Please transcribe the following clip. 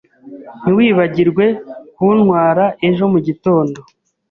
Ntiwibagirwe kuntwara ejo mugitondo.